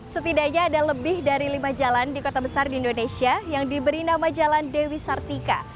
setidaknya ada lebih dari lima jalan di kota besar di indonesia yang diberi nama jalan dewi sartika